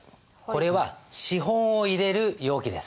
これは資本を入れる容器です。